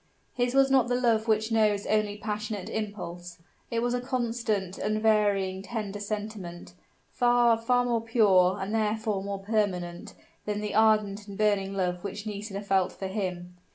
His was not the love which knows only passionate impulse: it was a constant, unvarying tender sentiment far, far more pure, and therefore more permanent, than the ardent and burning love which Nisida felt for him.